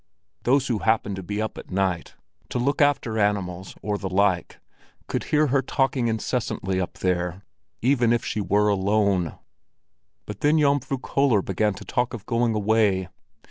Those who happened to be up at night to look after animals or the like, could hear her talking incessantly up there, even if she were alone. But then Jomfru Köller began to talk of going away.